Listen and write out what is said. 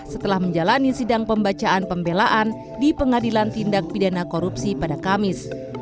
setelah menjalani sidang pembacaan pembelaan di pengadilan tindak pidana korupsi pada kamis